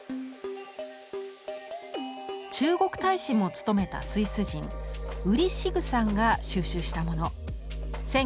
中国大使も務めたスイス人ウリ・シグさんが収集したもの。